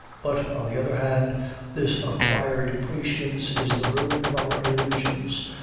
But, on the other hand, this acquired prescience is the ruin of our illusions.